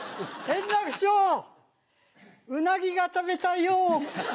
円楽師匠ウナギが食べたいよ。